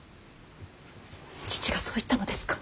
父がそう言ったのですか。